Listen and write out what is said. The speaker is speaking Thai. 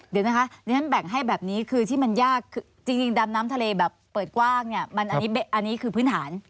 เดี๋ยวนะคะดิฉันแบ่งให้แบบนี้คือที่มันยากคือจริงดำน้ำทะเลแบบเปิดกว้างเนี่ยมันอันนี้คือพื้นฐาน